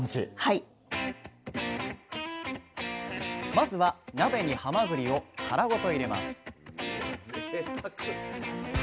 まずは鍋にはまぐりを殻ごと入れます